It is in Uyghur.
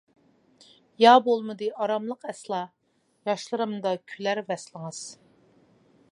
يا بولمىدى ئاراملىق ئەسلا، ياشلىرىمدا كۈلەر ۋەسلىڭىز.